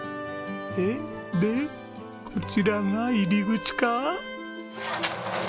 えっでこちらが入り口か？